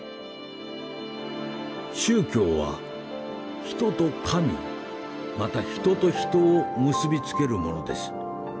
「宗教は人と神また人と人を結び付けるものです。